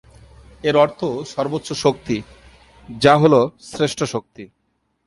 এর অর্থ "সর্বোচ্চ শক্তি" যা হল "শ্রেষ্ঠ শক্তি"।